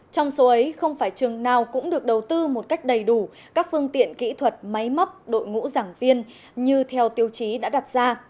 trong số ấy không phải trường nào cũng được đầu tư một cách đầy đủ các phương tiện kỹ thuật máy móc đội ngũ giảng viên như theo tiêu chí đã đặt ra